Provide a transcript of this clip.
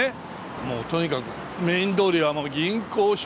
もうとにかくメイン通りは銀行証券会社